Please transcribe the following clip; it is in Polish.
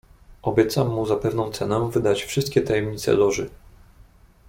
"Obiecam mu za pewną cenę wydać wszystkie tajemnice Loży."